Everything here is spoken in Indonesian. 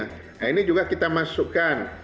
nah ini juga kita masukkan